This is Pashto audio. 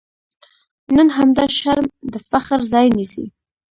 نن همدا شرم د فخر ځای نیسي.